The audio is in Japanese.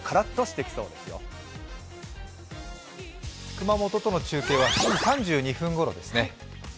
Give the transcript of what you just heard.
熊本との中継は７時３２分ごろですね。